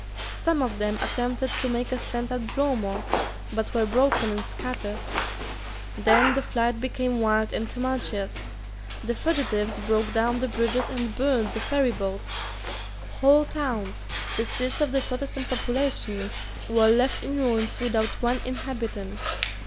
Some of them attempted to make a stand at Dromore, but were broken and scattered. Then the flight became wild and tumultuous. The fugitives broke down the bridges and burned the ferryboats. Whole towns, the seats of the Protestant population, were left in ruins without one inhabitant.